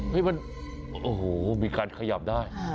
ให้มันโอ้โหมีการขยับได้